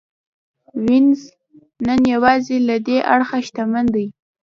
وینز نن یوازې له دې اړخه شتمن دی.